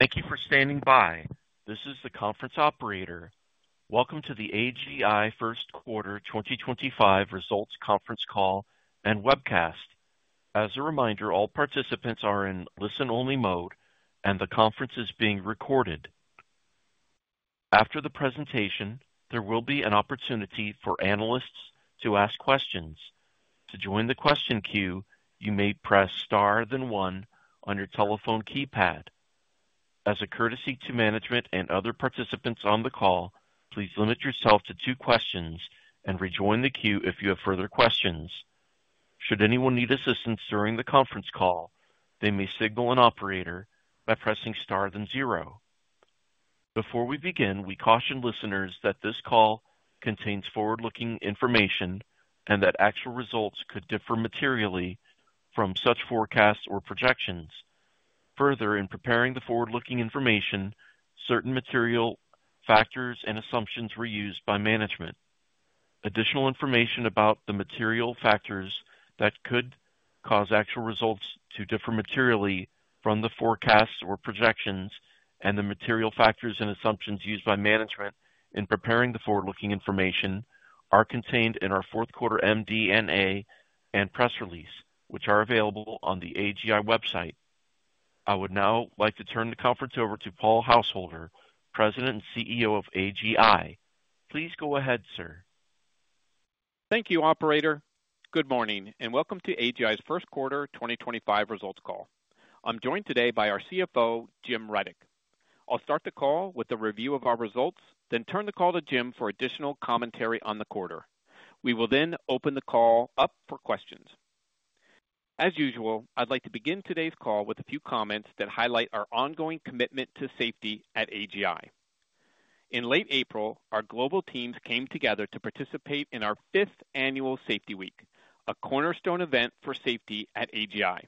Thank you for standing by. This is the conference operator. Welcome to the AGI First Quarter 2025 Results Conference Call and Webcast. As a reminder, all participants are in listen-only mode, and the conference is being recorded. After the presentation, there will be an opportunity for analysts to ask questions. To join the question queue, you may press star then one on your telephone keypad. As a courtesy to management and other participants on the call, please limit yourself to two questions and rejoin the queue if you have further questions. Should anyone need assistance during the conference call, they may signal an operator by pressing star then zero. Before we begin, we caution listeners that this call contains forward-looking information and that actual results could differ materially from such forecasts or projections. Further, in preparing the forward-looking information, certain material factors and assumptions were used by management. Additional information about the material factors that could cause actual results to differ materially from the forecasts or projections and the material factors and assumptions used by management in preparing the forward-looking information are contained in our fourth quarter MD&A and press release, which are available on the AGI website. I would now like to turn the conference over to Paul Householder, President and CEO of AGI. Please go ahead, sir. Thank you, Operator. Good morning and welcome to AGI's First Quarter 2025 Results Call. I'm joined today by our CFO, Jim Rudyk. I'll start the call with a review of our results, then turn the call to Jim for additional commentary on the quarter. We will then open the call up for questions. As usual, I'd like to begin today's call with a few comments that highlight our ongoing commitment to safety at AGI. In late April, our global teams came together to participate in our fifth annual Safety Week, a cornerstone event for safety at AGI.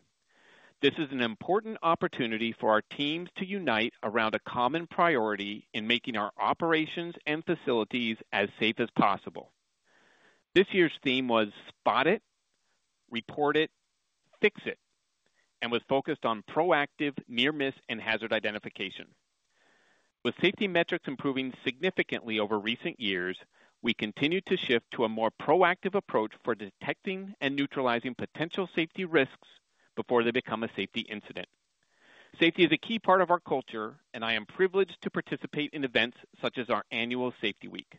This is an important opportunity for our teams to unite around a common priority in making our operations and facilities as safe as possible. This year's theme was Spot It, Report It, Fix It, and was focused on proactive near-miss and hazard identification. With safety metrics improving significantly over recent years, we continue to shift to a more proactive approach for detecting and neutralizing potential safety risks before they become a safety incident. Safety is a key part of our culture, and I am privileged to participate in events such as our annual Safety Week.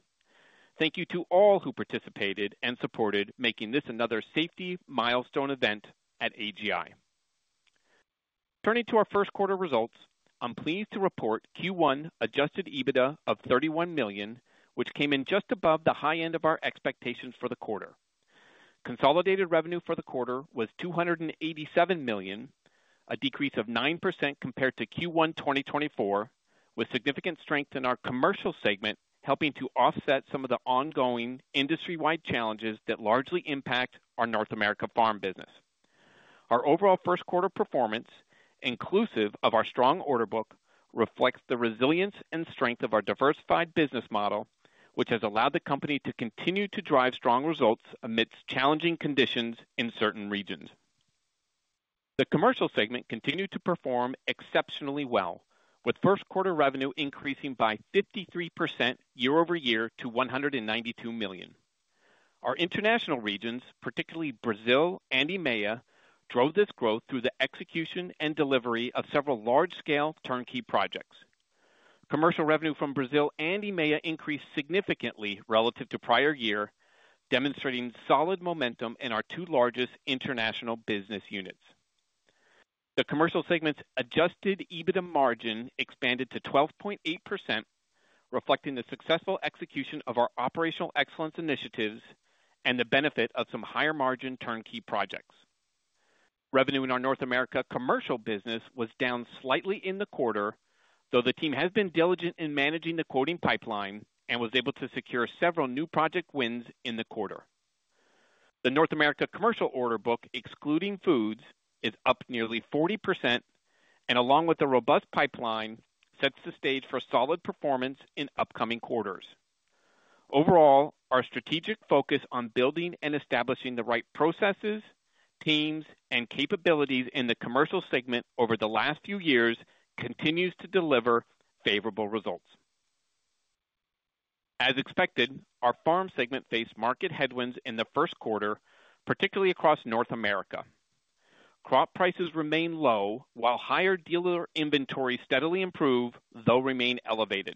Thank you to all who participated and supported making this another safety milestone event at AGI. Turning to our first quarter results, I'm pleased to report Q1 adjusted EBITDA of $31 million, which came in just above the high end of our expectations for the quarter. Consolidated revenue for the quarter was $287 million, a decrease of 9% compared to Q1 2024, with significant strength in our commercial segment helping to offset some of the ongoing industry-wide challenges that largely impact our North America farm business. Our overall first quarter performance, inclusive of our strong order book, reflects the resilience and strength of our diversified business model, which has allowed the company to continue to drive strong results amidst challenging conditions in certain regions. The commercial segment continued to perform exceptionally well, with first quarter revenue increasing by 53% year over year to $192 million. Our international regions, particularly Brazil and EMEA, drove this growth through the execution and delivery of several large-scale turnkey projects. Commercial revenue from Brazil and EMEA increased significantly relative to prior year, demonstrating solid momentum in our two largest international business units. The commercial segment's adjusted EBITDA margin expanded to 12.8%, reflecting the successful execution of our operational excellence initiatives and the benefit of some higher margin turnkey projects. Revenue in our North America commercial business was down slightly in the quarter, though the team has been diligent in managing the quoting pipeline and was able to secure several new project wins in the quarter. The North America commercial order book, excluding foods, is up nearly 40%, and along with a robust pipeline, sets the stage for solid performance in upcoming quarters. Overall, our strategic focus on building and establishing the right processes, teams, and capabilities in the commercial segment over the last few years continues to deliver favorable results. As expected, our farm segment faced market headwinds in the first quarter, particularly across North America. Crop prices remain low, while higher dealer inventory steadily improves, though remain elevated.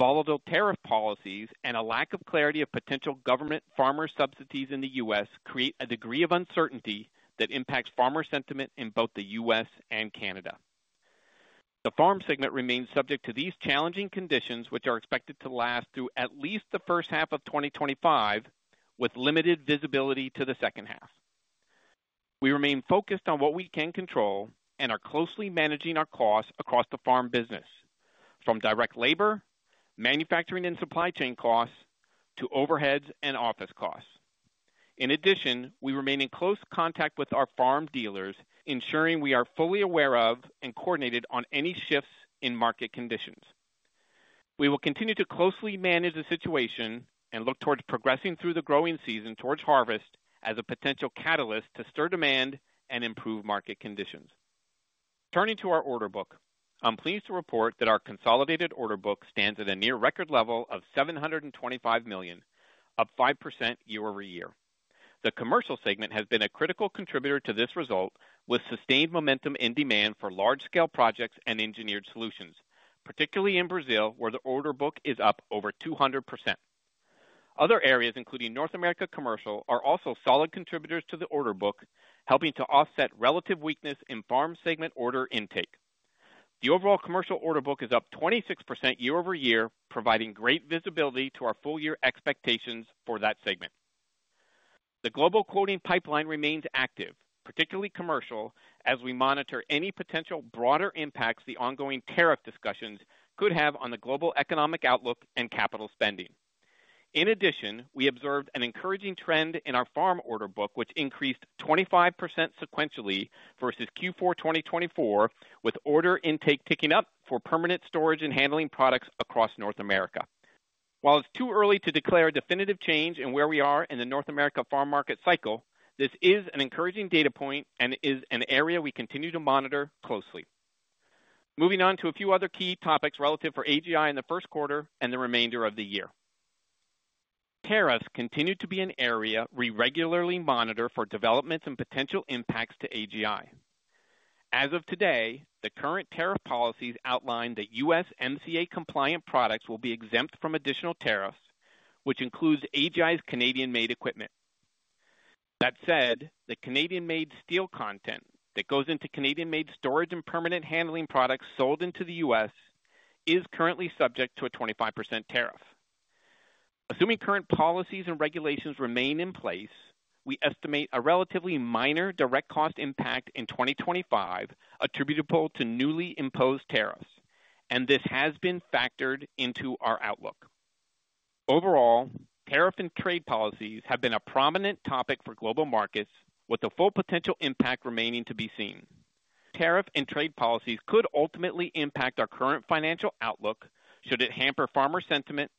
Volatile tariff policies and a lack of clarity of potential government farmer subsidies in the U.S. create a degree of uncertainty that impacts farmer sentiment in both the U.S. and Canada. The farm segment remains subject to these challenging conditions, which are expected to last through at least the first half of 2025, with limited visibility to the second half. We remain focused on what we can control and are closely managing our costs across the farm business, from direct labor, manufacturing, and supply chain costs to overheads and office costs. In addition, we remain in close contact with our farm dealers, ensuring we are fully aware of and coordinated on any shifts in market conditions. We will continue to closely manage the situation and look towards progressing through the growing season towards harvest as a potential catalyst to stir demand and improve market conditions. Turning to our order book, I'm pleased to report that our consolidated order book stands at a near-record level of $725 million, up 5% year over year. The commercial segment has been a critical contributor to this result, with sustained momentum in demand for large-scale projects and engineered solutions, particularly in Brazil, where the order book is up over 200%. Other areas, including North America commercial, are also solid contributors to the order book, helping to offset relative weakness in farm segment order intake. The overall commercial order book is up 26% year over year, providing great visibility to our full-year expectations for that segment. The global quoting pipeline remains active, particularly commercial, as we monitor any potential broader impacts the ongoing tariff discussions could have on the global economic outlook and capital spending. In addition, we observed an encouraging trend in our farm order book, which increased 25% sequentially versus Q4 2024, with order intake ticking up for permanent storage and handling products across North America. While it's too early to declare a definitive change in where we are in the North America farm market cycle, this is an encouraging data point and is an area we continue to monitor closely. Moving on to a few other key topics relative for AGI in the first quarter and the remainder of the year. Tariffs continue to be an area we regularly monitor for developments and potential impacts to AGI. As of today, the current tariff policies outline that U.S. MCA-compliant products will be exempt from additional tariffs, which includes AGI's Canadian-made equipment. That said, the Canadian-made steel content that goes into Canadian-made storage and permanent handling products sold into the U.S. is currently subject to a 25% tariff. Assuming current policies and regulations remain in place, we estimate a relatively minor direct cost impact in 2025 attributable to newly imposed tariffs, and this has been factored into our outlook. Overall, tariff and trade policies have been a prominent topic for global markets, with the full potential impact remaining to be seen. Tariff and trade policies could ultimately impact our current financial outlook should it hamper farmer sentiment,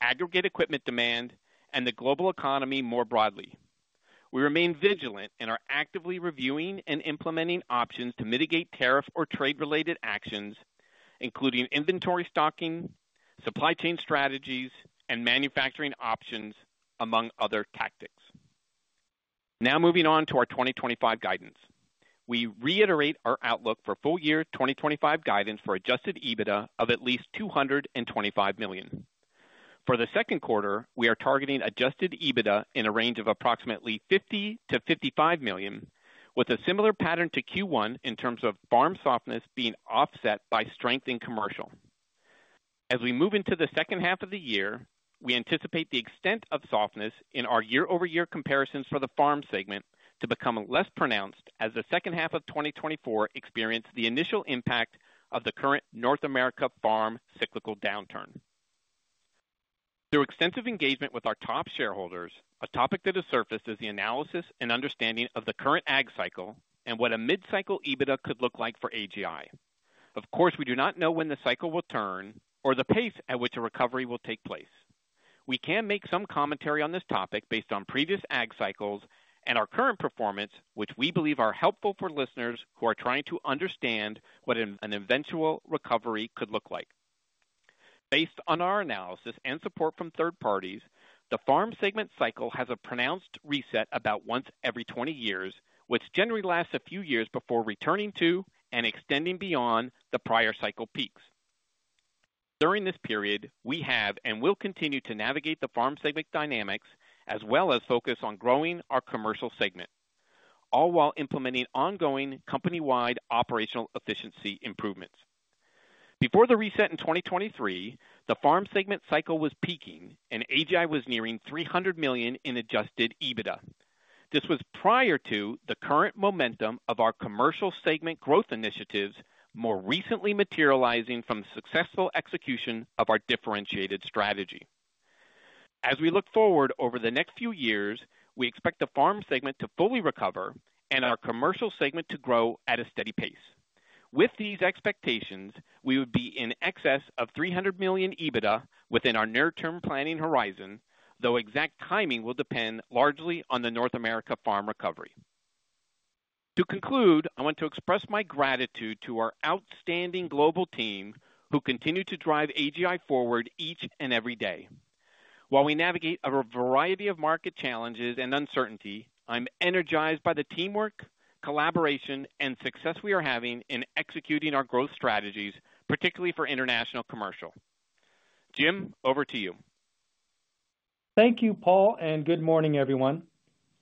aggregate equipment demand, and the global economy more broadly. We remain vigilant and are actively reviewing and implementing options to mitigate tariff or trade-related actions, including inventory stocking, supply chain strategies, and manufacturing options, among other tactics. Now moving on to our 2025 guidance, we reiterate our outlook for full-year 2025 guidance for adjusted EBITDA of at least $225 million. For the second quarter, we are targeting adjusted EBITDA in a range of approximately $50 - $55 million, with a similar pattern to Q1 in terms of farm softness being offset by strength in commercial. As we move into the second half of the year, we anticipate the extent of softness in our year-over-year comparisons for the farm segment to become less pronounced as the second half of 2024 experienced the initial impact of the current North America farm cyclical downturn. Through extensive engagement with our top shareholders, a topic that has surfaced is the analysis and understanding of the current ag cycle and what a mid-cycle EBITDA could look like for AGI. Of course, we do not know when the cycle will turn or the pace at which a recovery will take place. We can make some commentary on this topic based on previous ag cycles and our current performance, which we believe are helpful for listeners who are trying to understand what an eventual recovery could look like. Based on our analysis and support from third parties, the farm segment cycle has a pronounced reset about once every 20 years, which generally lasts a few years before returning to and extending beyond the prior cycle peaks. During this period, we have and will continue to navigate the farm segment dynamics as well as focus on growing our commercial segment, all while implementing ongoing company-wide operational efficiency improvements. Before the reset in 2023, the farm segment cycle was peaking, and AGI was nearing $300 million in adjusted EBITDA. This was prior to the current momentum of our commercial segment growth initiatives more recently materializing from the successful execution of our differentiated strategy. As we look forward over the next few years, we expect the farm segment to fully recover and our commercial segment to grow at a steady pace. With these expectations, we would be in excess of $300 million EBITDA within our near-term planning horizon, though exact timing will depend largely on the North America farm recovery. To conclude, I want to express my gratitude to our outstanding global team who continue to drive AGI forward each and every day. While we navigate a variety of market challenges and uncertainty, I'm energized by the teamwork, collaboration, and success we are having in executing our growth strategies, particularly for international commercial. Jim, over to you. Thank you, Paul, and good morning, everyone.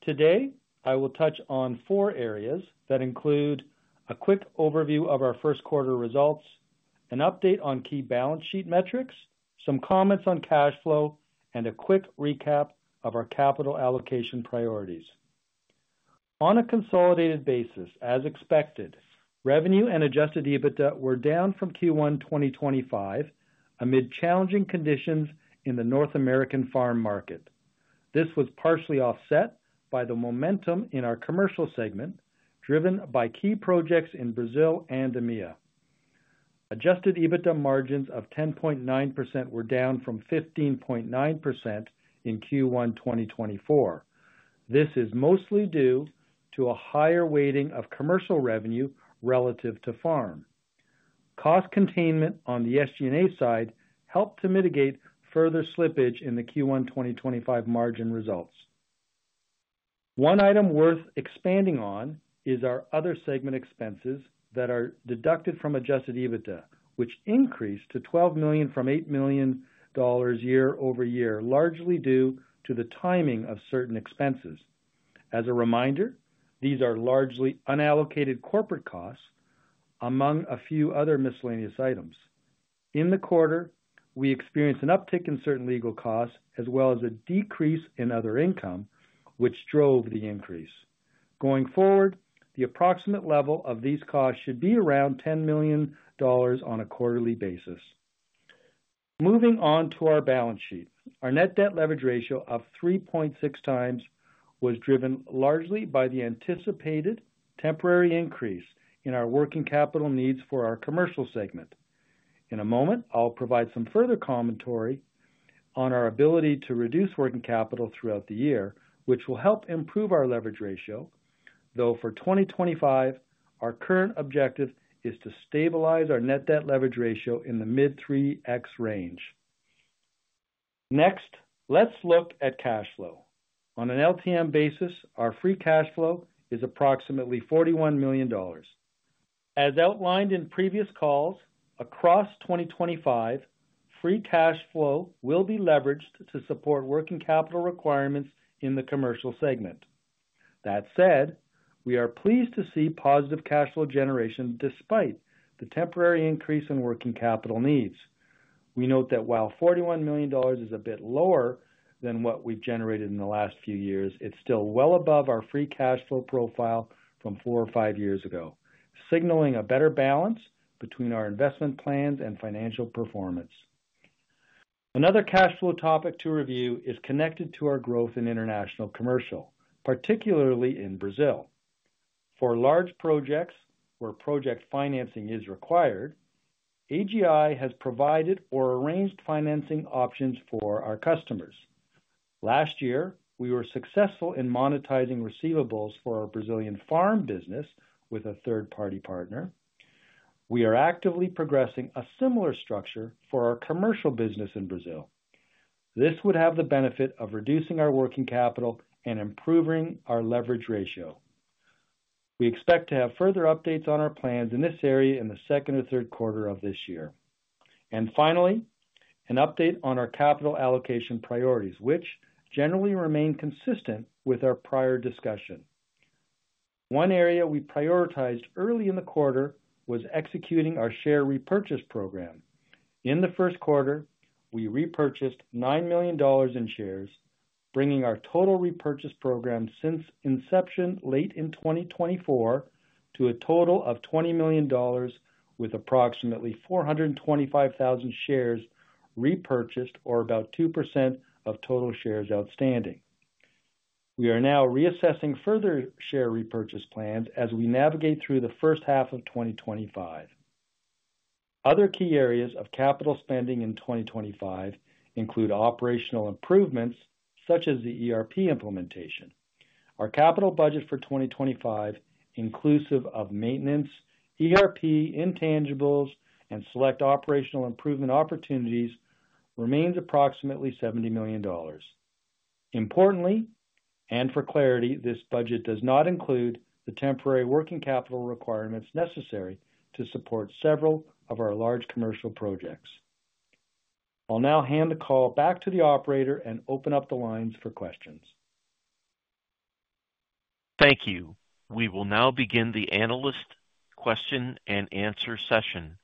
Today, I will touch on four areas that include a quick overview of our first quarter results, an update on key balance sheet metrics, some comments on cash flow, and a quick recap of our capital allocation priorities. On a consolidated basis, as expected, revenue and adjusted EBITDA were down from Q1 2025 amid challenging conditions in the North American farm market. This was partially offset by the momentum in our commercial segment driven by key projects in Brazil and EMEA. Adjusted EBITDA margins of 10.9% were down from 15.9% in Q1 2024. This is mostly due to a higher weighting of commercial revenue relative to farm. Cost containment on the SG&A side helped to mitigate further slippage in the Q1 2025 margin results. One item worth expanding on is our other segment expenses that are deducted from adjusted EBITDA, which increased to $12 million from $8 million year over year, largely due to the timing of certain expenses. As a reminder, these are largely unallocated corporate costs, among a few other miscellaneous items. In the quarter, we experienced an uptick in certain legal costs as well as a decrease in other income, which drove the increase. Going forward, the approximate level of these costs should be around $10 million on a quarterly basis. Moving on to our balance sheet, our net debt leverage ratio of 3.6x was driven largely by the anticipated temporary increase in our working capital needs for our commercial segment. In a moment, I'll provide some further commentary on our ability to reduce working capital throughout the year, which will help improve our leverage ratio, though for 2025, our current objective is to stabilize our net debt leverage ratio in the mid-3x range. Next, let's look at cash flow. On an LTM basis, our free cash flow is approximately $41 million. As outlined in previous calls, across 2025, free cash flow will be leveraged to support working capital requirements in the commercial segment. That said, we are pleased to see positive cash flow generation despite the temporary increase in working capital needs. We note that while $41 million is a bit lower than what we've generated in the last few years, it's still well above our free cash flow profile from four or five years ago, signaling a better balance between our investment plans and financial performance. Another cash flow topic to review is connected to our growth in international commercial, particularly in Brazil. For large projects where project financing is required, AGI has provided or arranged financing options for our customers. Last year, we were successful in monetizing receivables for our Brazilian farm business with a third-party partner. We are actively progressing a similar structure for our commercial business in Brazil. This would have the benefit of reducing our working capital and improving our leverage ratio. We expect to have further updates on our plans in this area in the second or third quarter of this year. Finally, an update on our capital allocation priorities, which generally remain consistent with our prior discussion. One area we prioritized early in the quarter was executing our share repurchase program. In the first quarter, we repurchased $9 million in shares, bringing our total repurchase program since inception late in 2024 to a total of $20 million with approximately 425,000 shares repurchased, or about 2% of total shares outstanding. We are now reassessing further share repurchase plans as we navigate through the first half of 2025. Other key areas of capital spending in 2025 include operational improvements such as the ERP implementation. Our capital budget for 2025, inclusive of maintenance, ERP, intangibles, and select operational improvement opportunities, remains approximately $70 million. Importantly, and for clarity, this budget does not include the temporary working capital requirements necessary to support several of our large commercial projects. I'll now hand the call back to the operator and open up the lines for questions. Thank you. We will now begin the analyst question and answer session.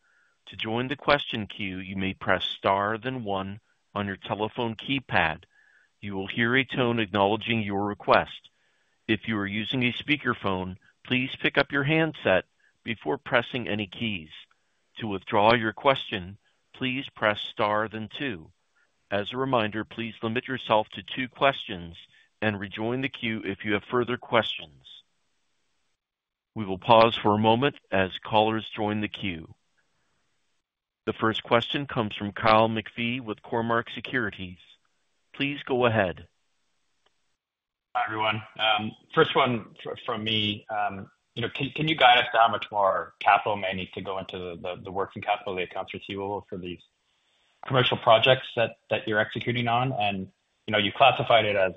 To join the question queue, you may press star then one on your telephone keypad. You will hear a tone acknowledging your request. If you are using a speakerphone, please pick up your handset before pressing any keys. To withdraw your question, please press star then two. As a reminder, please limit yourself to two questions and rejoin the queue if you have further questions. We will pause for a moment as callers join the queue. The first question comes from Kyle McPhee with Cormark Securities. Please go ahead. Hi, everyone. First one from me. Can you guide us to how much more capital may need to go into the working capital to accounts receivable for these commercial projects that you're executing on? You classified it as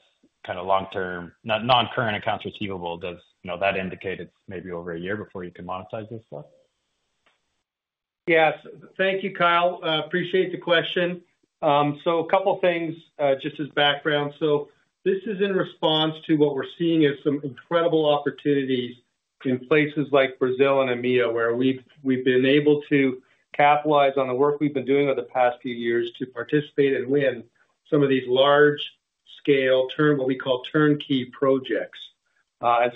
kind of long-term, non-current accounts receivable. Does that indicate it's maybe over a year before you can monetize this stuff? Yes. Thank you, Kyle. Appreciate the question. A couple of things just as background. This is in response to what we're seeing as some incredible opportunities in places like Brazil and EMEA, where we've been able to capitalize on the work we've been doing over the past few years to participate and win some of these large-scale, what we call turnkey projects.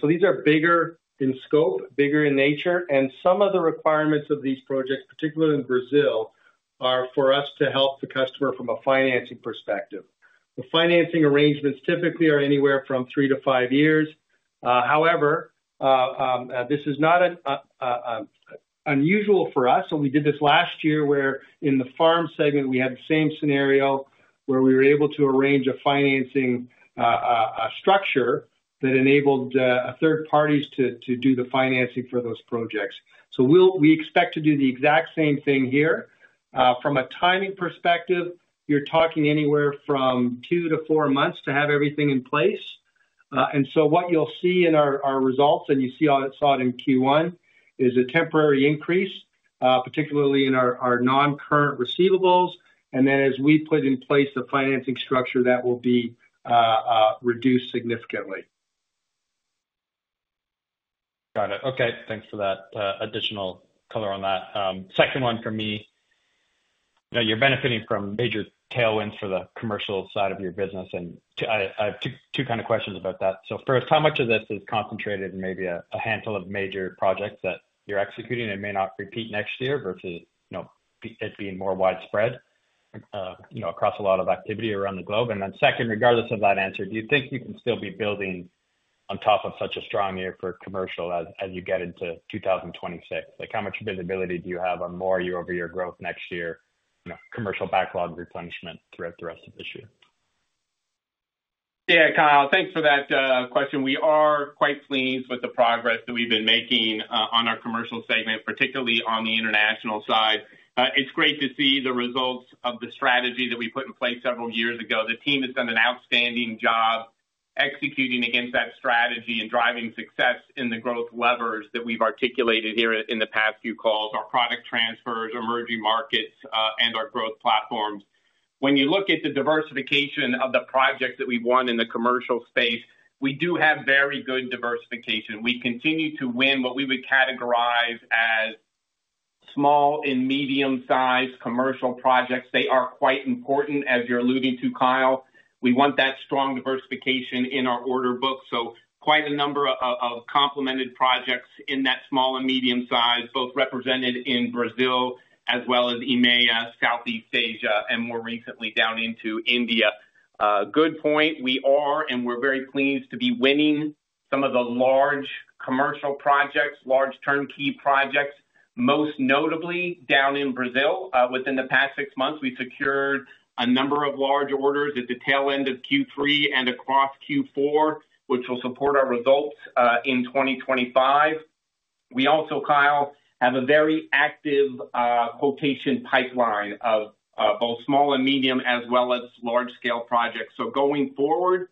These are bigger in scope, bigger in nature. Some of the requirements of these projects, particularly in Brazil, are for us to help the customer from a financing perspective. The financing arrangements typically are anywhere from three to five years. However, this is not unusual for us. We did this last year where in the farm segment, we had the same scenario where we were able to arrange a financing structure that enabled third parties to do the financing for those projects. We expect to do the exact same thing here. From a timing perspective, you're talking anywhere from two to four months to have everything in place. What you'll see in our results, and you saw it in Q1, is a temporary increase, particularly in our non-current receivables. As we put in place the financing structure, that will be reduced significantly. Got it. Okay. Thanks for that additional color on that. Second one for me, you're benefiting from major tailwinds for the commercial side of your business. I have two kind of questions about that. First, how much of this is concentrated in maybe a handful of major projects that you're executing and may not repeat next year versus it being more widespread across a lot of activity around the globe? Then, regardless of that answer, do you think you can still be building on top of such a strong year for commercial as you get into 2026? How much visibility do you have on more year-over-year growth next year, commercial backlog replenishment throughout the rest of this year? Yeah, Kyle, thanks for that question. We are quite pleased with the progress that we've been making on our commercial segment, particularly on the international side. It's great to see the results of the strategy that we put in place several years ago. The team has done an outstanding job executing against that strategy and driving success in the growth levers that we've articulated here in the past few calls, our product transfers, emerging markets, and our growth platforms. When you look at the diversification of the projects that we've won in the commercial space, we do have very good diversification. We continue to win what we would categorize as small and medium-sized commercial projects. They are quite important, as you're alluding to, Kyle. We want that strong diversification in our order book. Quite a number of complemented projects in that small and medium size, both represented in Brazil as well as EMEA, Southeast Asia, and more recently down into India. Good point. We are, and we're very pleased to be winning some of the large commercial projects, large turnkey projects, most notably down in Brazil. Within the past six months, we secured a number of large orders at the tail end of Q3 and across Q4, which will support our results in 2025. We also, Kyle, have a very active quotation pipeline of both small and medium as well as large-scale projects. Going forward,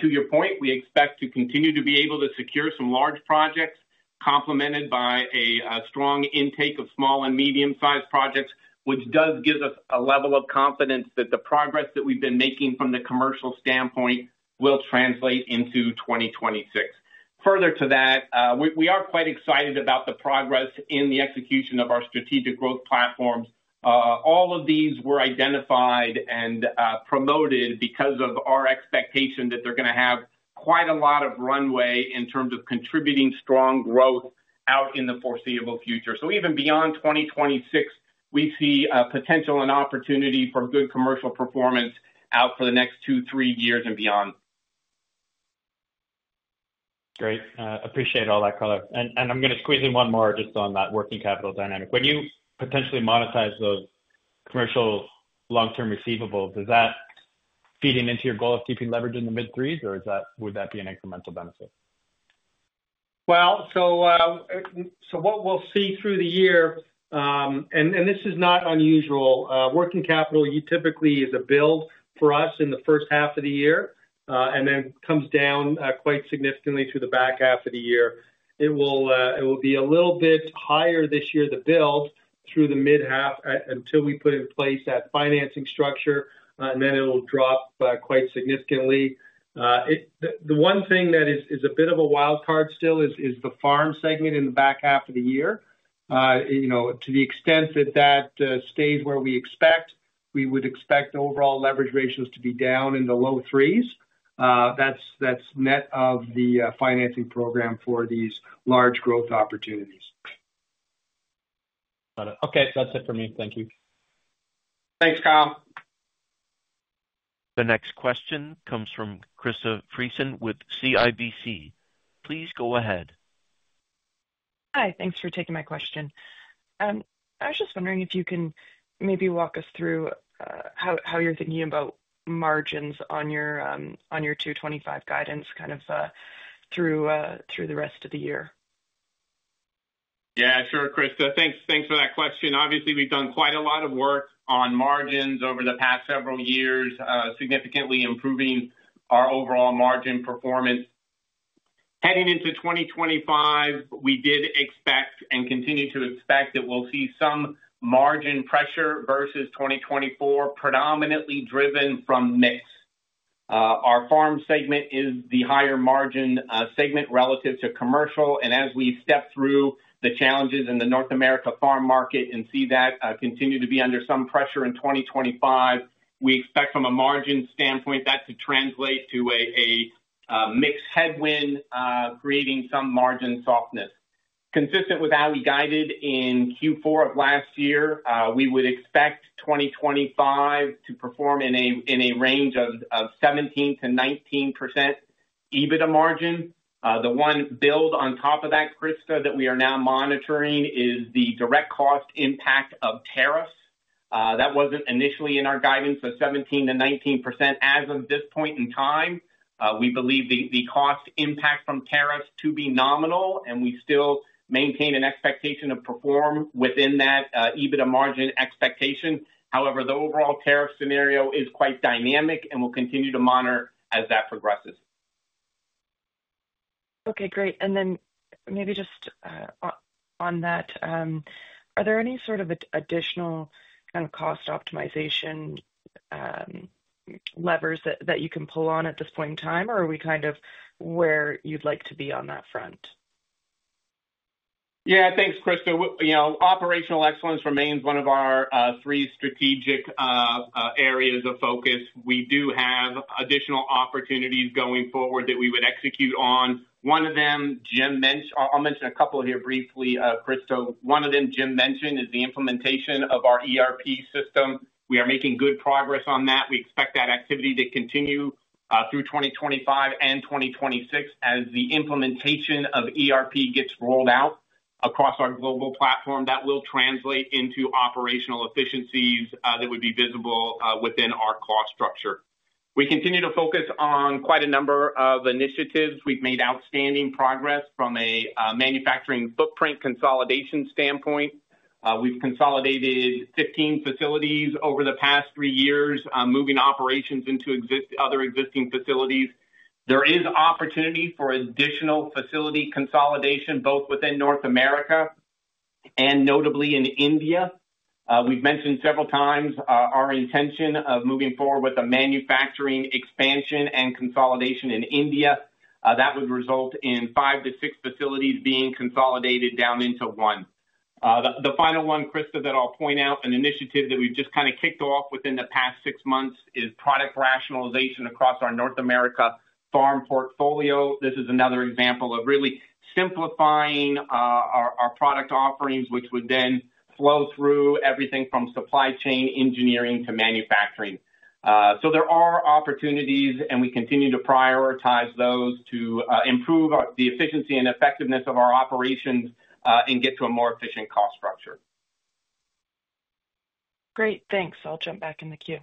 to your point, we expect to continue to be able to secure some large projects complemented by a strong intake of small and medium-sized projects, which does give us a level of confidence that the progress that we have been making from the commercial standpoint will translate into 2026. Further to that, we are quite excited about the progress in the execution of our strategic growth platforms. All of these were identified and promoted because of our expectation that they are going to have quite a lot of runway in terms of contributing strong growth out in the foreseeable future. Even beyond 2026, we see potential and opportunity for good commercial performance out for the next two, three years and beyond. Great. Appreciate all that, Carl. I'm going to squeeze in one more just on that working capital dynamic. When you potentially monetize those commercial long-term receivables, is that feeding into your goal of keeping leverage in the mid-threes, or would that be an incremental benefit? What we'll see through the year, and this is not unusual, working capital typically is a build for us in the first half of the year and then comes down quite significantly through the back half of the year. It will be a little bit higher this year, the build, through the mid-half until we put in place that financing structure, and then it'll drop quite significantly. The one thing that is a bit of a wildcard still is the farm segment in the back half of the year. To the extent that that stays where we expect, we would expect overall leverage ratios to be down in the low threes. That's net of the financing program for these large growth opportunities. Got it. Okay. That's it for me. Thank you. Thanks, Kyle. The next question comes from Krista Friesen with CIBC. Please go ahead. Hi. Thanks for taking my question. I was just wondering if you can maybe walk us through how you're thinking about margins on your $225 guidance kind of through the rest of the year. Yeah, sure, Krista. Thanks for that question. Obviously, we've done quite a lot of work on margins over the past several years, significantly improving our overall margin performance. Heading into 2025, we did expect and continue to expect that we'll see some margin pressure versus 2024, predominantly driven from mix. Our farm segment is the higher margin segment relative to commercial. As we step through the challenges in the North America farm market and see that continue to be under some pressure in 2025, we expect from a margin standpoint that to translate to a mixed headwind, creating some margin softness. Consistent with how we guided in Q4 of last year, we would expect 2025 to perform in a range of 17% - 19% EBITDA margin. The one build on top of that, Krista, that we are now monitoring is the direct cost impact of tariffs. That wasn't initially in our guidance of 17% - 19%. As of this point in time, we believe the cost impact from tariffs to be nominal, and we still maintain an expectation of perform within that EBITDA margin expectation. However, the overall tariff scenario is quite dynamic and will continue to monitor as that progresses. Okay. Great. Maybe just on that, are there any sort of additional kind of cost optimization levers that you can pull on at this point in time, or are we kind of where you'd like to be on that front? Yeah. Thanks, Krista. Operational excellence remains one of our three strategic areas of focus. We do have additional opportunities going forward that we would execute on. One of them, Jim mentioned, I'll mention a couple here briefly, Krista. One of them, Jim mentioned, is the implementation of our ERP system. We are making good progress on that. We expect that activity to continue through 2025 and 2026 as the implementation of ERP gets rolled out across our global platform. That will translate into operational efficiencies that would be visible within our cost structure. We continue to focus on quite a number of initiatives. We've made outstanding progress from a manufacturing footprint consolidation standpoint. We've consolidated 15 facilities over the past three years, moving operations into other existing facilities. There is opportunity for additional facility consolidation, both within North America and notably in India. We've mentioned several times our intention of moving forward with a manufacturing expansion and consolidation in India. That would result in five to six facilities being consolidated down into one. The final one, Krista, that I'll point out, an initiative that we've just kind of kicked off within the past six months is product rationalization across our North America farm portfolio. This is another example of really simplifying our product offerings, which would then flow through everything from supply chain engineering to manufacturing. There are opportunities, and we continue to prioritize those to improve the efficiency and effectiveness of our operations and get to a more efficient cost structure. Great. Thanks. I'll jump back in the queue.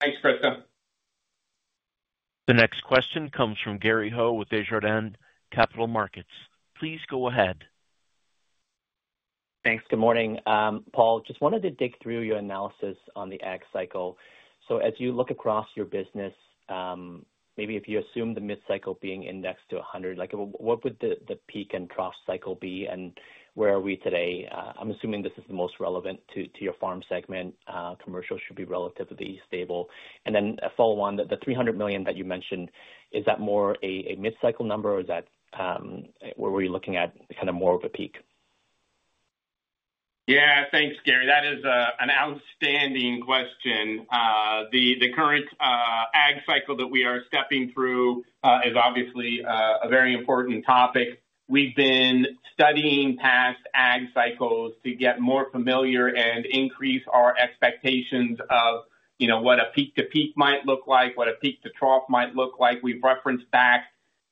Thanks, Krista. The next question comes from Gary Ho with Desjardins Capital Markets. Please go ahead. Thanks. Good morning, Paul. Just wanted to dig through your analysis on the ag cycle. As you look across your business, maybe if you assume the mid-cycle being indexed to 100, what would the peak and trough cycle be? Where are we today? I'm assuming this is the most relevant to your farm segment. Commercial should be relatively stable. Then follow on the $300 million that you mentioned. Is that more a mid-cycle number, or were you looking at kind of more of a peak? Yeah. Thanks, Gary. That is an outstanding question. The current ag cycle that we are stepping through is obviously a very important topic. We've been studying past ag cycles to get more familiar and increase our expectations of what a peak-to-peak might look like, what a peak-to-trough might look like. We've referenced back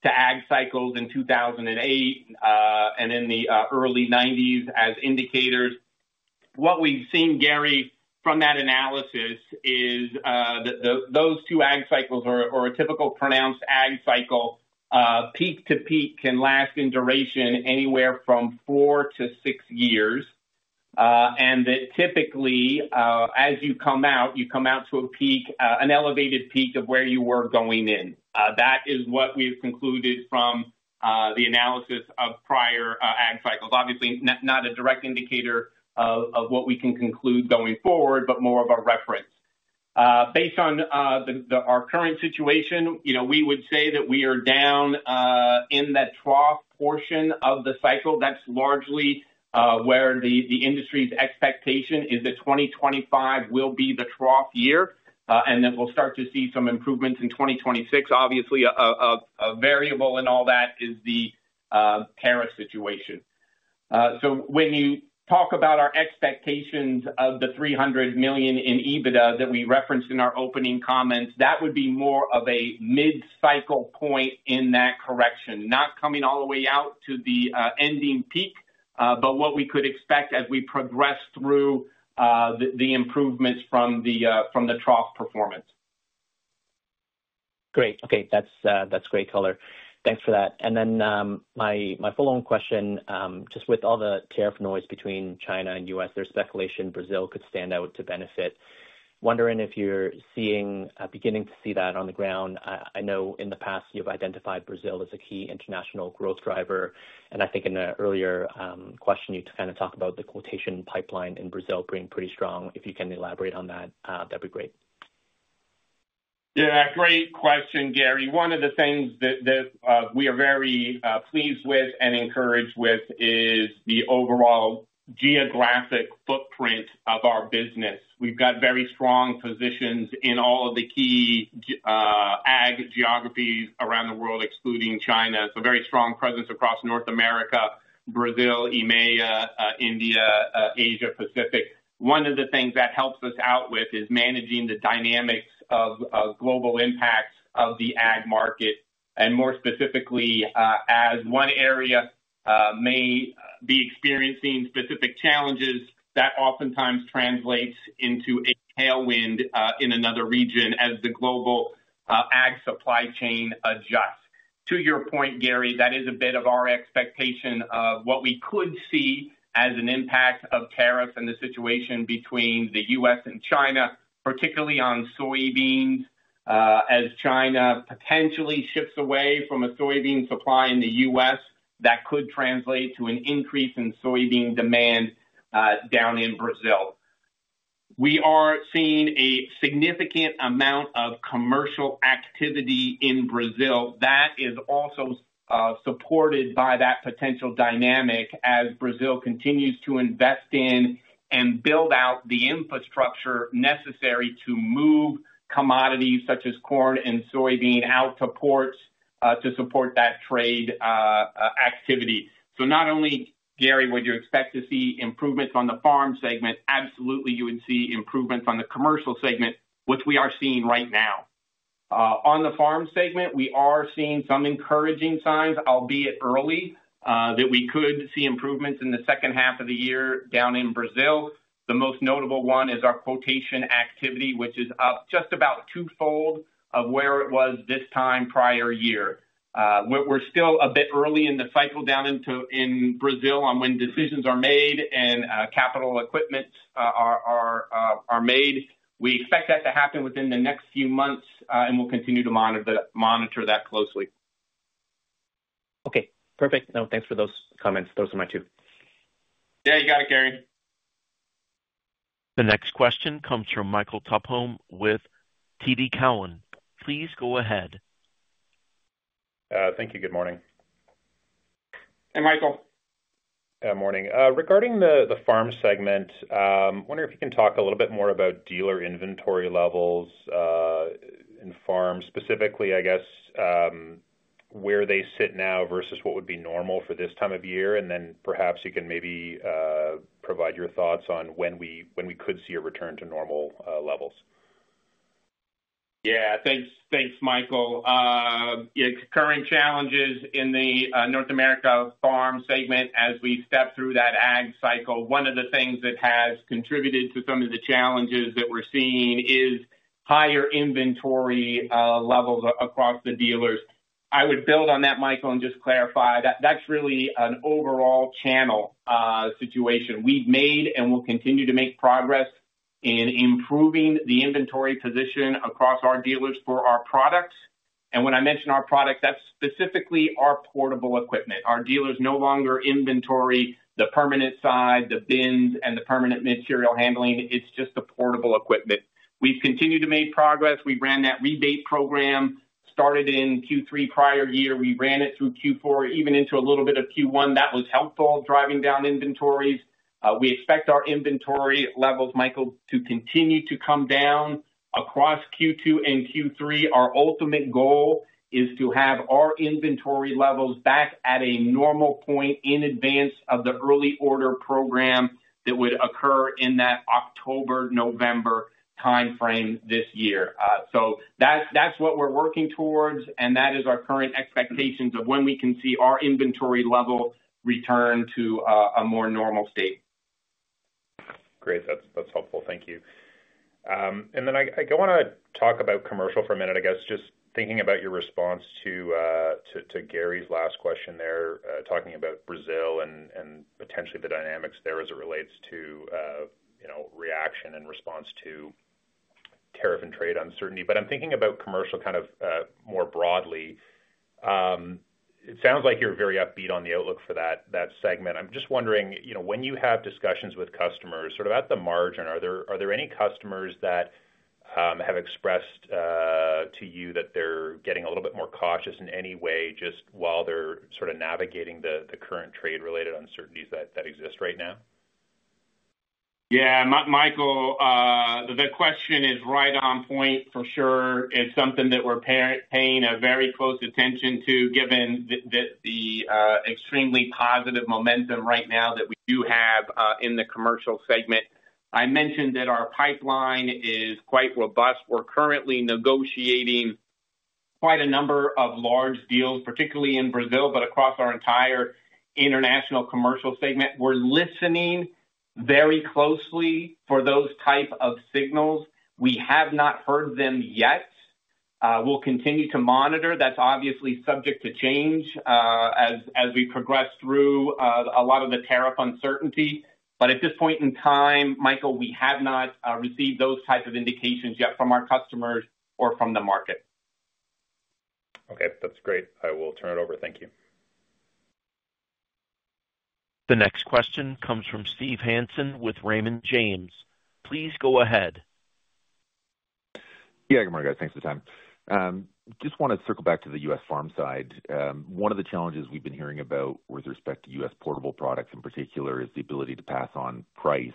to ag cycles in 2008 and in the early 1990s as indicators. What we've seen, Gary, from that analysis is those two ag cycles are a typical pronounced ag cycle. Peak-to-peak can last in duration anywhere from 4 years - 6 years. That typically, as you come out, you come out to an elevated peak of where you were going in. That is what we've concluded from the analysis of prior ag cycles. Obviously, not a direct indicator of what we can conclude going forward, but more of a reference. Based on our current situation, we would say that we are down in that trough portion of the cycle. That is largely where the industry's expectation is that 2025 will be the trough year and that we will start to see some improvements in 2026. Obviously, a variable in all that is the tariff situation. When you talk about our expectations of the $300 million in EBITDA that we referenced in our opening comments, that would be more of a mid-cycle point in that correction, not coming all the way out to the ending peak, but what we could expect as we progress through the improvements from the trough performance. Great. Okay. That's great, Coller. Thanks for that. My follow-on question, just with all the tariff noise between China and the U.S., there's speculation Brazil could stand out to benefit. Wondering if you're beginning to see that on the ground. I know in the past you've identified Brazil as a key international growth driver. I think in an earlier question, you kind of talked about the quotation pipeline in Brazil being pretty strong. If you can elaborate on that, that'd be great. Yeah. Great question, Gary. One of the things that we are very pleased with and encouraged with is the overall geographic footprint of our business. We've got very strong positions in all of the key ag geographies around the world, excluding China. It's a very strong presence across North America, Brazil, EMEA, India, Asia-Pacific. One of the things that helps us out with is managing the dynamics of global impacts of the ag market. More specifically, as one area may be experiencing specific challenges, that oftentimes translates into a tailwind in another region as the global ag supply chain adjusts. To your point, Gary, that is a bit of our expectation of what we could see as an impact of tariffs and the situation between the U.S. and China, particularly on soybeans, as China potentially shifts away from a soybean supply in the U.S. That could translate to an increase in soybean demand down in Brazil. We are seeing a significant amount of commercial activity in Brazil. That is also supported by that potential dynamic as Brazil continues to invest in and build out the infrastructure necessary to move commodities such as corn and soybean out to ports to support that trade activity. Not only, Gary, would you expect to see improvements on the farm segment? Absolutely, you would see improvements on the commercial segment, which we are seeing right now. On the farm segment, we are seeing some encouraging signs, albeit early, that we could see improvements in the second half of the year down in Brazil. The most notable one is our quotation activity, which is up just about twofold of where it was this time prior year. We're still a bit early in the cycle down in Brazil on when decisions are made and capital equipment are made. We expect that to happen within the next few months, and we'll continue to monitor that closely. Okay. Perfect. No, thanks for those comments. Those are my two. Yeah, you got it, Gary. The next question comes from Michael Topholme with TD Cowen. Please go ahead. Thank you. Good morning. Hey, Michael. Good morning. Regarding the farm segment, I wonder if you can talk a little bit more about dealer inventory levels in farms, specifically, I guess, where they sit now versus what would be normal for this time of year. Perhaps you can maybe provide your thoughts on when we could see a return to normal levels. Yeah. Thanks, Michael. Current challenges in the North America farm segment as we step through that ag cycle. One of the things that has contributed to some of the challenges that we're seeing is higher inventory levels across the dealers. I would build on that, Michael, and just clarify that that's really an overall channel situation. We've made and will continue to make progress in improving the inventory position across our dealers for our products. And when I mention our products, that's specifically our portable equipment. Our dealers no longer inventory the permanent side, the bins, and the permanent material handling. It's just the portable equipment. We've continued to make progress. We ran that rebate program, started in Q3 prior year. We ran it through Q4, even into a little bit of Q1. That was helpful driving down inventories. We expect our inventory levels, Michael, to continue to come down across Q2 and Q3. Our ultimate goal is to have our inventory levels back at a normal point in advance of the early order program that would occur in that October, November timeframe this year. That is what we are working towards, and that is our current expectations of when we can see our inventory level return to a more normal state. Great. That's helpful. Thank you. I want to talk about commercial for a minute, I guess, just thinking about your response to Gary's last question there, talking about Brazil and potentially the dynamics there as it relates to reaction and response to tariff and trade uncertainty. I'm thinking about commercial kind of more broadly. It sounds like you're very upbeat on the outlook for that segment. I'm just wondering, when you have discussions with customers, sort of at the margin, are there any customers that have expressed to you that they're getting a little bit more cautious in any way just while they're sort of navigating the current trade-related uncertainties that exist right now? Yeah. Michael, the question is right on point for sure. It's something that we're paying very close attention to, given the extremely positive momentum right now that we do have in the commercial segment. I mentioned that our pipeline is quite robust. We're currently negotiating quite a number of large deals, particularly in Brazil, but across our entire international commercial segment. We're listening very closely for those types of signals. We have not heard them yet. We'll continue to monitor. That is obviously subject to change as we progress through a lot of the tariff uncertainty. At this point in time, Michael, we have not received those types of indications yet from our customers or from the market. Okay. That's great. I will turn it over. Thank you. The next question comes from Steve Hansen with Raymond James. Please go ahead. Yeah. Good morning, guys. Thanks for the time. Just want to circle back to the U.S. farm side. One of the challenges we've been hearing about with respect to U.S. portable products in particular is the ability to pass on price,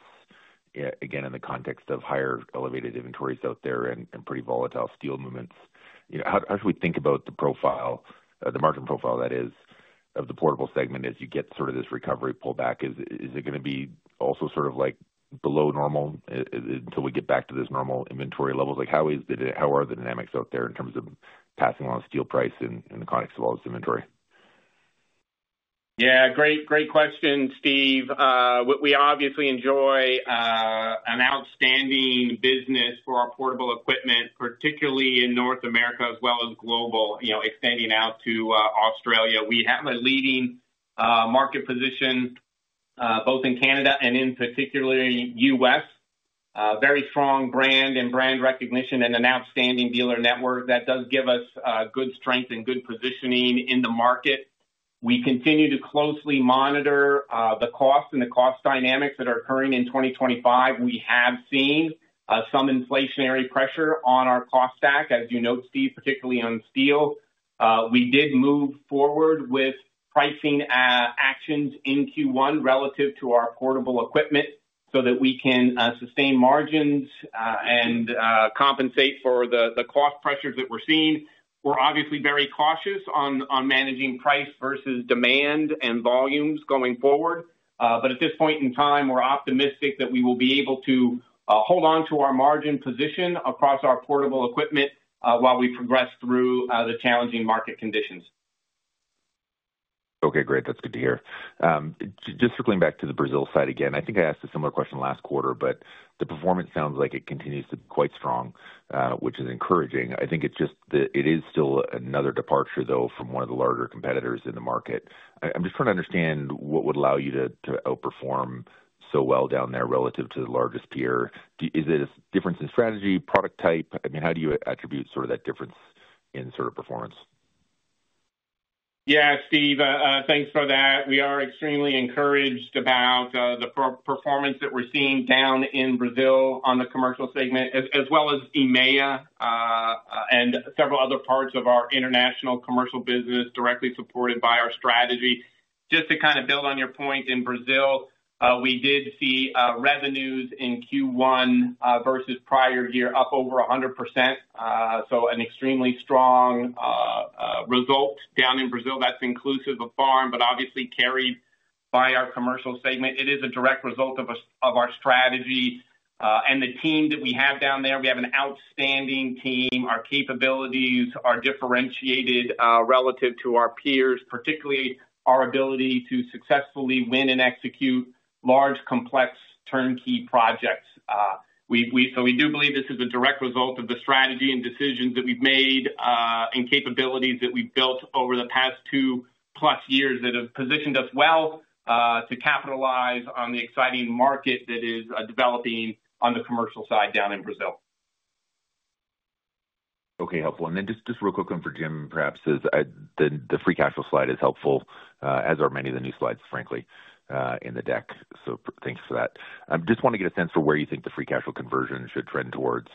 again, in the context of higher elevated inventories out there and pretty volatile steel movements. How should we think about the margin profile, that is, of the portable segment as you get sort of this recovery pullback? Is it going to be also sort of below normal until we get back to those normal inventory levels? How are the dynamics out there in terms of passing on steel price in the context of all this inventory? Yeah. Great question, Steve. We obviously enjoy an outstanding business for our portable equipment, particularly in North America as well as global, extending out to Australia. We have a leading market position both in Canada and in particularly the U.S. Very strong brand and brand recognition and an outstanding dealer network that does give us good strength and good positioning in the market. We continue to closely monitor the costs and the cost dynamics that are occurring in 2025. We have seen some inflationary pressure on our cost stack, as you note, Steve, particularly on steel. We did move forward with pricing actions in Q1 relative to our portable equipment so that we can sustain margins and compensate for the cost pressures that we're seeing. We're obviously very cautious on managing price versus demand and volumes going forward. At this point in time, we're optimistic that we will be able to hold on to our margin position across our portable equipment while we progress through the challenging market conditions. Okay. Great. That's good to hear. Just circling back to the Brazil side again, I think I asked a similar question last quarter, but the performance sounds like it continues to be quite strong, which is encouraging. I think it's just that it is still another departure, though, from one of the larger competitors in the market. I'm just trying to understand what would allow you to outperform so well down there relative to the largest peer. Is it a difference in strategy, product type? I mean, how do you attribute sort of that difference in sort of performance? Yeah, Steve, thanks for that. We are extremely encouraged about the performance that we're seeing down in Brazil on the commercial segment, as well as EMEA and several other parts of our international commercial business directly supported by our strategy. Just to kind of build on your point in Brazil, we did see revenues in Q1 versus prior year up over 100%. So an extremely strong result down in Brazil that's inclusive of farm, but obviously carried by our commercial segment. It is a direct result of our strategy and the team that we have down there. We have an outstanding team. Our capabilities are differentiated relative to our peers, particularly our ability to successfully win and execute large, complex, turnkey projects. We do believe this is a direct result of the strategy and decisions that we've made and capabilities that we've built over the past 2+ years that have positioned us well to capitalize on the exciting market that is developing on the commercial side down in Brazil. Okay. Helpful. And then just real quick for Jim, perhaps, the free cash flow slide is helpful, as are many of the new slides, frankly, in the deck. So thanks for that. I just want to get a sense for where you think the free cash flow conversion should trend towards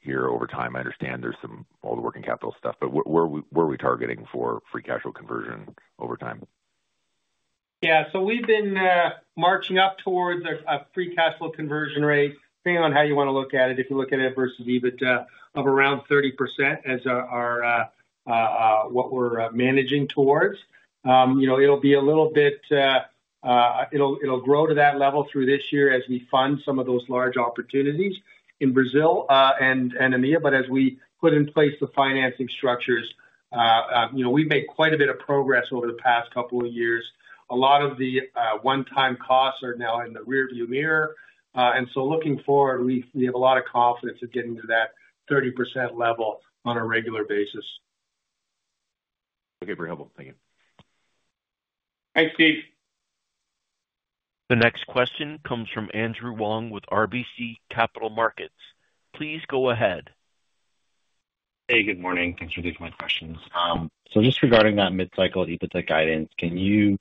here over time. I understand there's some all the working capital stuff, but where are we targeting for free cash flow conversion over time? Yeah. So we've been marching up towards a free cash flow conversion rate, depending on how you want to look at it, if you look at it versus EBITDA, of around 30% as what we're managing towards. It'll be a little bit, it'll grow to that level through this year as we fund some of those large opportunities in Brazil and EMEA. As we put in place the financing structures, we've made quite a bit of progress over the past couple of years. A lot of the one-time costs are now in the rearview mirror. Looking forward, we have a lot of confidence of getting to that 30% level on a regular basis. Okay. Very helpful. Thank you. Thanks, Steve. The next question comes from Andrew Wong with RBC Capital Markets. Please go ahead. Hey, good morning. Thanks for taking my questions. Just regarding that mid-cycle EBITDA guidance, can you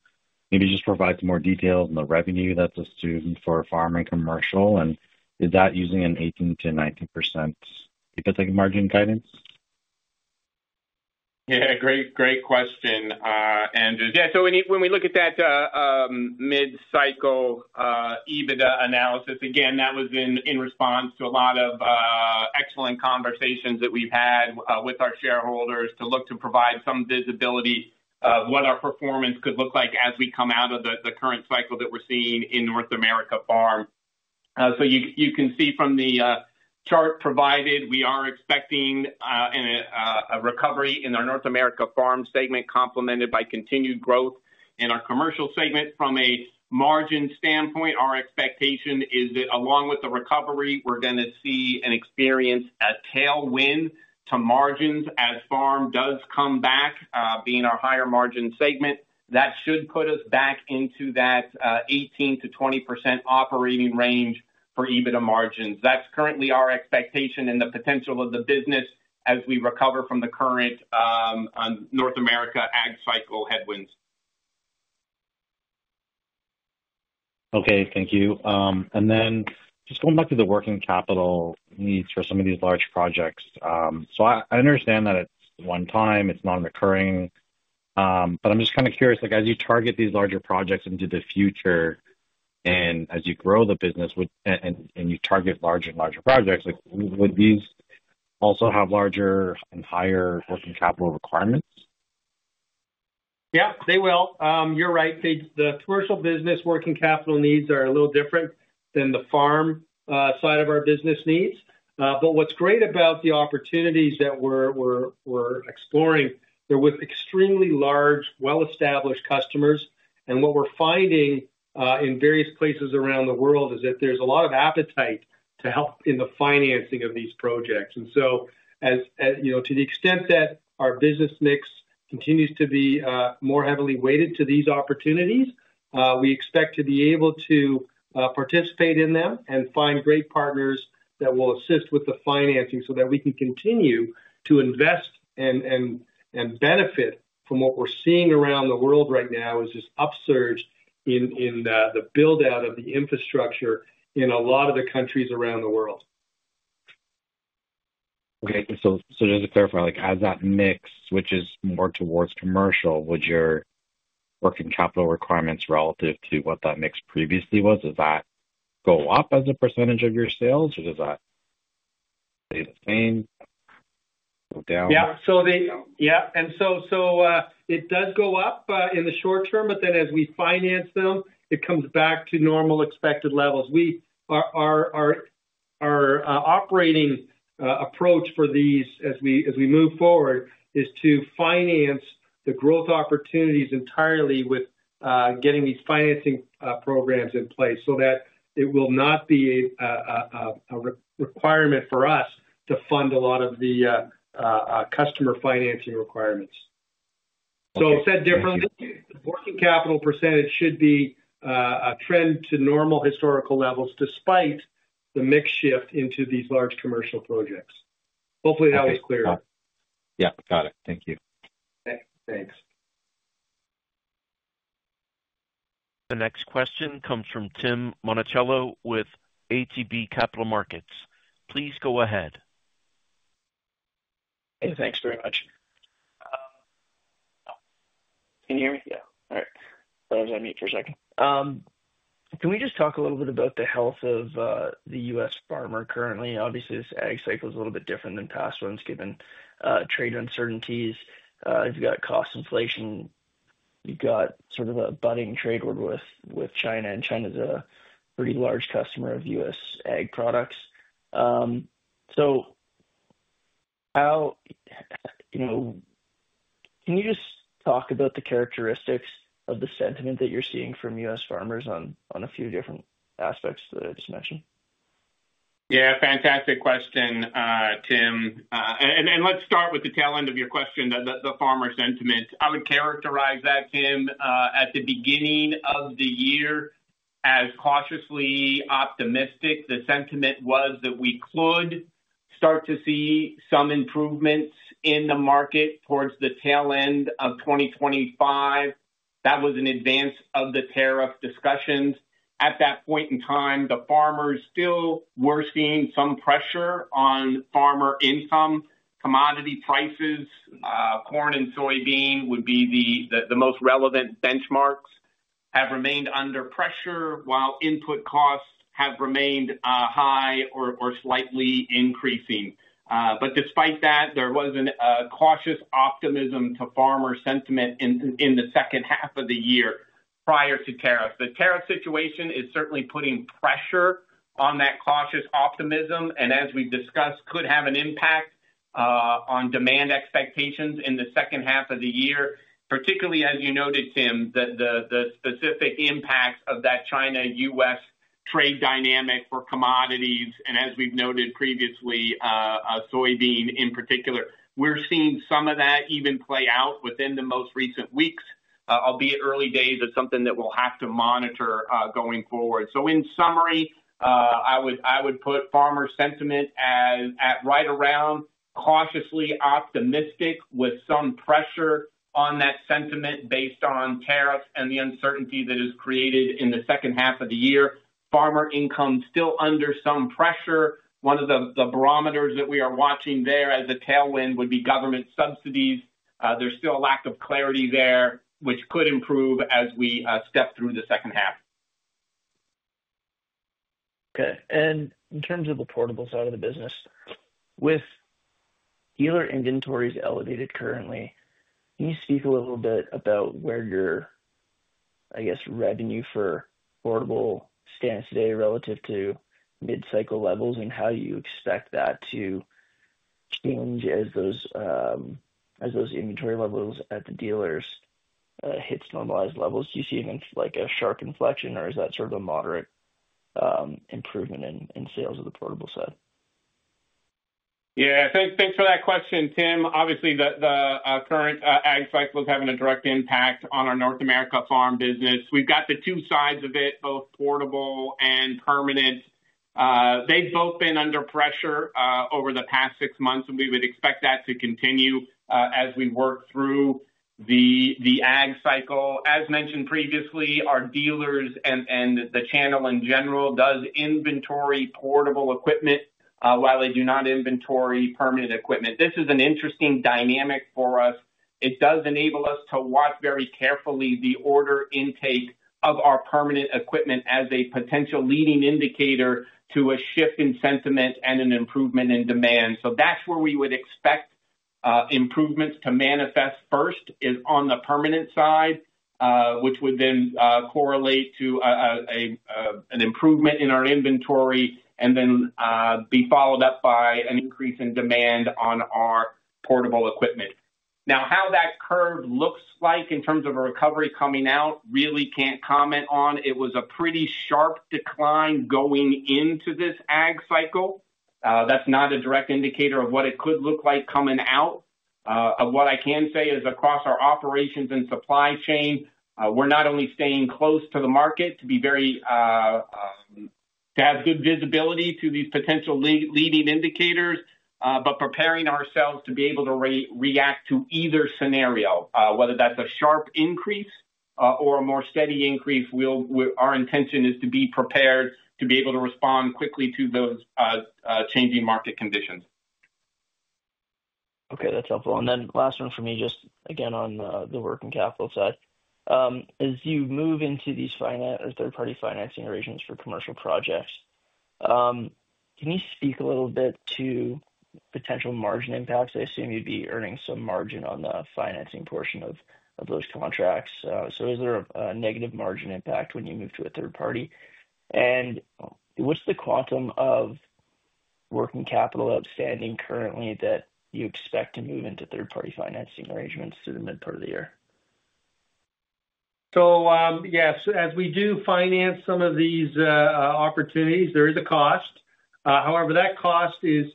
maybe just provide some more detail on the revenue that's assumed for farm and commercial, and is that using an 18% - 19% EBITDA margin guidance? Yeah. Great question, Andrew. Yeah. When we look at that mid-cycle EBITDA analysis, again, that was in response to a lot of excellent conversations that we've had with our shareholders to look to provide some visibility of what our performance could look like as we come out of the current cycle that we're seeing in North America farm. You can see from the chart provided, we are expecting a recovery in our North America farm segment complemented by continued growth in our commercial segment. From a margin standpoint, our expectation is that along with the recovery, we're going to see and experience a tailwind to margins as farm does come back, being our higher margin segment. That should put us back into that 18% - 20% operating range for EBITDA margins. That's currently our expectation and the potential of the business as we recover from the current North America ag cycle headwinds. Okay. Thank you. Just going back to the working capital needs for some of these large projects. I understand that it's one time, it's non-recurring, but I'm just kind of curious, as you target these larger projects into the future and as you grow the business and you target larger and larger projects, would these also have larger and higher working capital requirements? Yeah, they will. You're right. The commercial business working capital needs are a little different than the farm side of our business needs. What's great about the opportunities that we're exploring, they're with extremely large, well-established customers. What we're finding in various places around the world is that there's a lot of appetite to help in the financing of these projects. To the extent that our business mix continues to be more heavily weighted to these opportunities, we expect to be able to participate in them and find great partners that will assist with the financing so that we can continue to invest and benefit from what we're seeing around the world right now, which is this upsurge in the build-out of the infrastructure in a lot of the countries around the world. Okay. Just to clarify, as that mix, which is more towards commercial, would your working capital requirements relative to what that mix previously was, does that go up as a percentage of your sales, or does that stay the same, go down? Yeah. Yeah. It does go up in the short term, but then as we finance them, it comes back to normal expected levels. Our operating approach for these as we move forward is to finance the growth opportunities entirely with getting these financing programs in place so that it will not be a requirement for us to fund a lot of the customer financing requirements. Said differently, the working capital percentage should be a trend to normal historical levels despite the mix shift into these large commercial projects. Hopefully, that was clear. Yeah. Got it. Thank you. Thanks. The next question comes from Tim Monticello with ATB Capital Markets. Please go ahead. Hey, thanks very much. Can you hear me? Yeah. All right. Sorry, I was on mute for a second. Can we just talk a little bit about the health of the U.S. farmer currently? Obviously, this ag cycle is a little bit different than past ones given trade uncertainties. You've got cost inflation. You've got sort of a budding trade war with China, and China's a pretty large customer of U.S. ag products. Can you just talk about the characteristics of the sentiment that you're seeing from U.S. farmers on a few different aspects that I just mentioned? Yeah. Fantastic question, Tim. Let's start with the tail end of your question, the farmer sentiment. I would characterize that, Tim, at the beginning of the year as cautiously optimistic. The sentiment was that we could start to see some improvements in the market towards the tail end of 2025. That was in advance of the tariff discussions. At that point in time, the farmers still were seeing some pressure on farmer income. Commodity prices, corn and soybean would be the most relevant benchmarks, have remained under pressure while input costs have remained high or slightly increasing. Despite that, there was a cautious optimism to farmer sentiment in the second half of the year prior to tariffs. The tariff situation is certainly putting pressure on that cautious optimism and, as we've discussed, could have an impact on demand expectations in the second half of the year, particularly, as you noted, Tim, the specific impacts of that China-U.S. trade dynamic for commodities. As we've noted previously, soybean in particular, we're seeing some of that even play out within the most recent weeks, albeit early days, as something that we'll have to monitor going forward. In summary, I would put farmer sentiment at right around cautiously optimistic with some pressure on that sentiment based on tariffs and the uncertainty that is created in the second half of the year. Farmer income still under some pressure. One of the barometers that we are watching there as a tailwind would be government subsidies. There's still a lack of clarity there, which could improve as we step through the second half. Okay. In terms of the portable side of the business, with dealer inventories elevated currently, can you speak a little bit about where your, I guess, revenue for portable stands today relative to mid-cycle levels and how you expect that to change as those inventory levels at the dealers hit normalized levels? Do you see a sharp inflection, or is that sort of a moderate improvement in sales of the portable side? Yeah. Thanks for that question, Tim. Obviously, the current ag cycle is having a direct impact on our North America farm business. We've got the two sides of it, both portable and permanent. They've both been under pressure over the past six months, and we would expect that to continue as we work through the ag cycle. As mentioned previously, our dealers and the channel in general does inventory portable equipment while they do not inventory permanent equipment. This is an interesting dynamic for us. It does enable us to watch very carefully the order intake of our permanent equipment as a potential leading indicator to a shift in sentiment and an improvement in demand. That's where we would expect improvements to manifest first is on the permanent side, which would then correlate to an improvement in our inventory and then be followed up by an increase in demand on our portable equipment. Now, how that curve looks like in terms of a recovery coming out, really can't comment on. It was a pretty sharp decline going into this ag cycle. That's not a direct indicator of what it could look like coming out. What I can say is across our operations and supply chain, we're not only staying close to the market to have good visibility to these potential leading indicators, but preparing ourselves to be able to react to either scenario, whether that's a sharp increase or a more steady increase. Our intention is to be prepared to be able to respond quickly to those changing market conditions. Okay. That's helpful. Last one for me, just again on the working capital side. As you move into these third-party financing regions for commercial projects, can you speak a little bit to potential margin impacts? I assume you'd be earning some margin on the financing portion of those contracts. Is there a negative margin impact when you move to a third party? What's the quantum of working capital outstanding currently that you expect to move into third-party financing arrangements through the mid-part of the year? Yes, as we do finance some of these opportunities, there is a cost. However, that cost is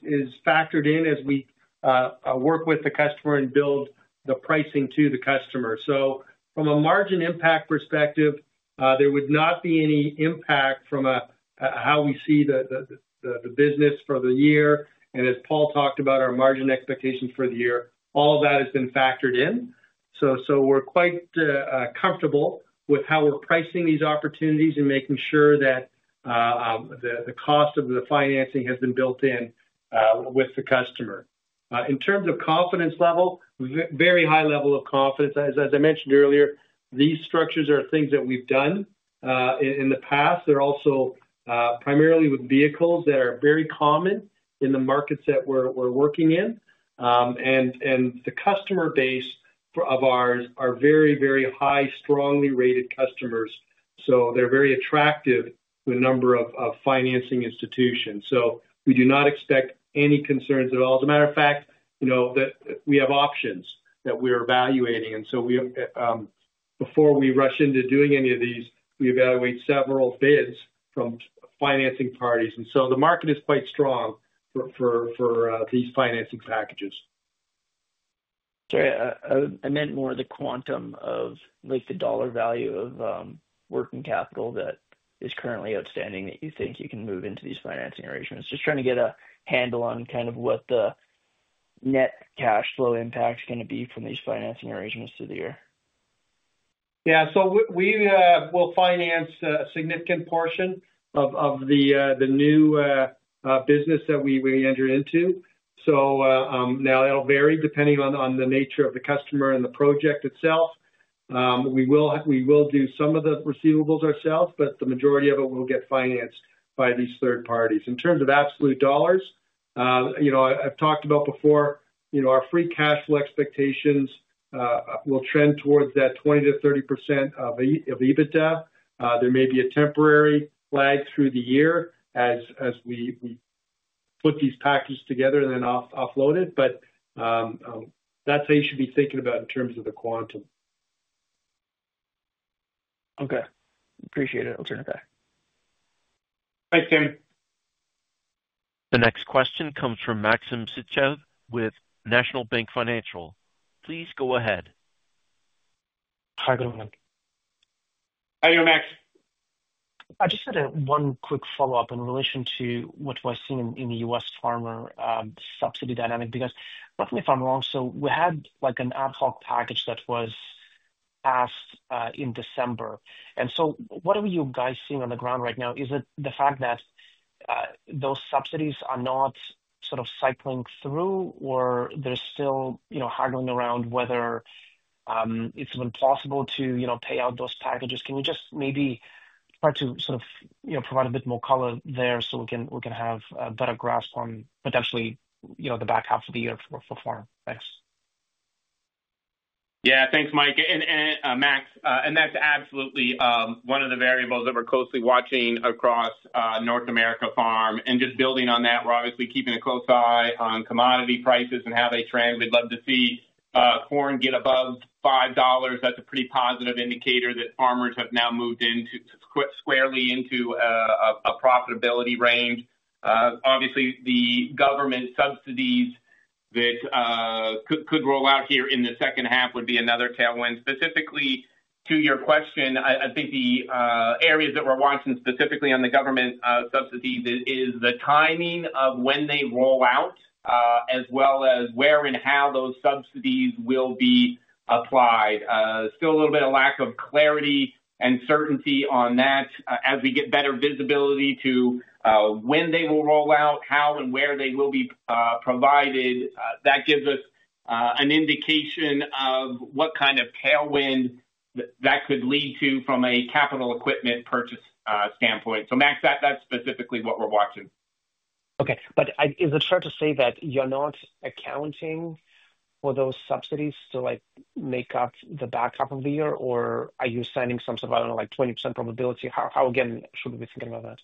factored in as we work with the customer and build the pricing to the customer. From a margin impact perspective, there would not be any impact from how we see the business for the year. As Paul talked about, our margin expectations for the year, all of that has been factored in. We are quite comfortable with how we are pricing these opportunities and making sure that the cost of the financing has been built in with the customer. In terms of confidence level, very high level of confidence. As I mentioned earlier, these structures are things that we have done in the past. They are also primarily with vehicles that are very common in the markets that we are working in. The customer base of ours are very, very high, strongly rated customers. They are very attractive to a number of financing institutions. We do not expect any concerns at all. As a matter of fact, we have options that we are evaluating. Before we rush into doing any of these, we evaluate several bids from financing parties. The market is quite strong for these financing packages. Sorry, I meant more of the quantum of the dollar value of working capital that is currently outstanding that you think you can move into these financing arrangements. Just trying to get a handle on kind of what the net cash flow impact is going to be from these financing arrangements through the year. Yeah. We will finance a significant portion of the new business that we entered into. It will vary depending on the nature of the customer and the project itself. We will do some of the receivables ourselves, but the majority of it will get financed by these third parties. In terms of absolute dollars, I've talked about before, our free cash flow expectations will trend towards that 20% - 30% of EBITDA. There may be a temporary lag through the year as we put these packages together and then offload it. That is how you should be thinking about it in terms of the quantum. Okay. Appreciate it. I'll turn it back. Thanks, Tim. The next question comes from Maxim Sichev with National Bank Financial. Please go ahead. Hi, good morning. How are you, Max? I just had one quick follow-up in relation to what we're seeing in the U.S. farmer subsidy dynamic because correct me if I'm wrong. We had an ad hoc package that was passed in December. What are you guys seeing on the ground right now? Is it the fact that those subsidies are not sort of cycling through, or they're still haggling around whether it's even possible to pay out those packages? Can you just maybe try to sort of provide a bit more color there so we can have a better grasp on potentially the back half of the year for farm? Thanks. Yeah. Thanks, Mike and Max. That's absolutely one of the variables that we're closely watching across North America farm. Just building on that, we're obviously keeping a close eye on commodity prices and how they trend. We'd love to see corn get above $5. That's a pretty positive indicator that farmers have now moved squarely into a profitability range. Obviously, the government subsidies that could roll out here in the second half would be another tailwind. Specifically to your question, I think the areas that we're watching specifically on the government subsidies is the timing of when they roll out as well as where and how those subsidies will be applied. Still a little bit of lack of clarity and certainty on that. As we get better visibility to when they will roll out, how and where they will be provided, that gives us an indication of what kind of tailwind that could lead to from a capital equipment purchase standpoint. Max, that's specifically what we're watching. Okay. Is it fair to say that you're not accounting for those subsidies to make up the back half of the year, or are you assigning something like 20% probability? How again should we be thinking about that?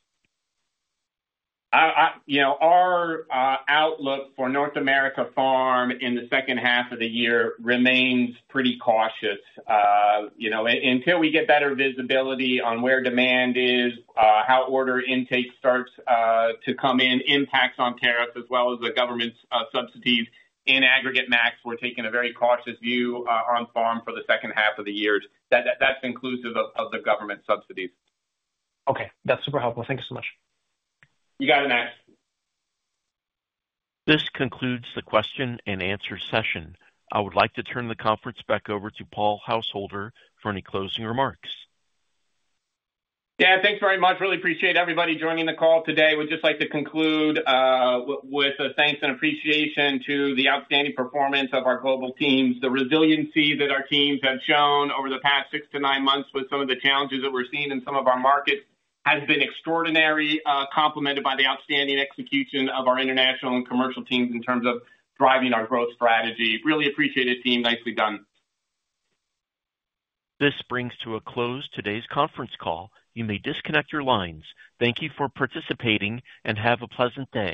Our outlook for North America farm in the second half of the year remains pretty cautious. Until we get better visibility on where demand is, how order intake starts to come in, impacts on tariffs as well as the government subsidies in aggregate, Max, we're taking a very cautious view on farm for the second half of the year. That's inclusive of the government subsidies. Okay. That's super helpful. Thank you so much. You got it, Max. This concludes the question and answer session. I would like to turn the conference back over to Paul Householder for any closing remarks. Yeah. Thanks very much. Really appreciate everybody joining the call today. We'd just like to conclude with a thanks and appreciation to the outstanding performance of our global teams. The resiliency that our teams have shown over the past six to nine months with some of the challenges that we're seeing in some of our markets has been extraordinary, complemented by the outstanding execution of our international and commercial teams in terms of driving our growth strategy. Really appreciate it, team. Nicely done. This brings to a close today's conference call. You may disconnect your lines. Thank you for participating and have a pleasant day.